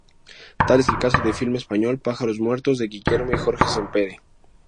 Tal es el caso del filme español "Pájaros muertos", de Guillermo y Jorge Sempere.